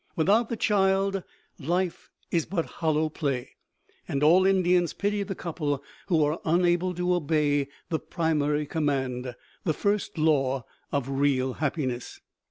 Without the child, life is but a hollow play, and all Indians pity the couple who are unable to obey the primary command, the first law of real happiness.